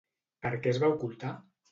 Per què es va ocultar?